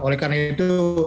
oleh karena itu